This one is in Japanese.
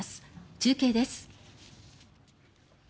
中継です。